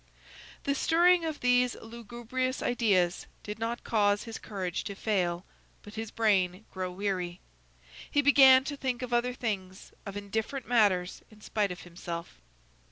The stirring up of these lugubrious ideas did not cause his courage to fail, but his brain grow weary. He began to think of other things, of indifferent matters, in spite of himself.